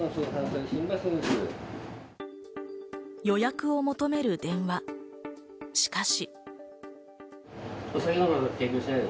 予約を求める電話、しかし。